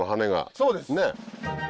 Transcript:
そうです。